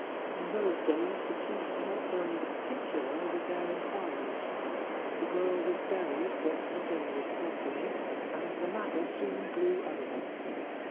In those days the police were not very particular with their inquiries. The girl was buried ; but nothing was said to me, and the matter soon blew over.